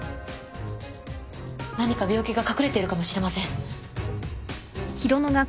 何か病気が隠れているかもしれません。